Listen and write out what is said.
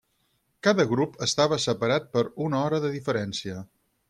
Cada grup estava separat per una hora de diferència.